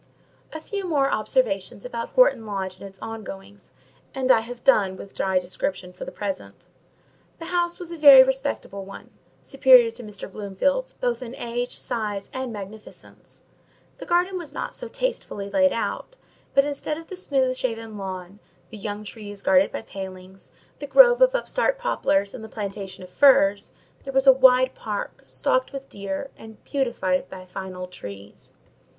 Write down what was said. A few more observations about Horton Lodge and its ongoings, and I have done with dry description for the present. The house was a very respectable one; superior to Mr. Bloomfield's, both in age, size, and magnificence: the garden was not so tastefully laid out; but instead of the smooth shaven lawn, the young trees guarded by palings, the grove of upstart poplars, and the plantation of firs, there was a wide park, stocked with deer, and beautified by fine old trees.